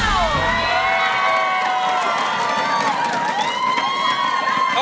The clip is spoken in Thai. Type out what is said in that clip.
แซม